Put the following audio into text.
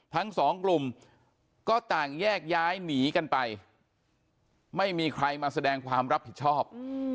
ทั้งสองกลุ่มก็ต่างแยกย้ายหนีกันไปไม่มีใครมาแสดงความรับผิดชอบ